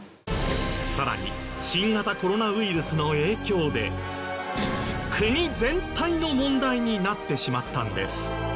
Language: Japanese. さらに新型コロナウイルスの影響で国全体の問題になってしまったんです。